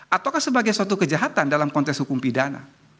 ataukah sebagai suatu kejahatan dalam konteks hukum pidana